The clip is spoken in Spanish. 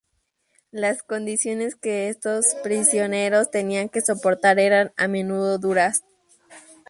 Las condiciones que estos prisioneros tenían que soportar eran a menudo duras.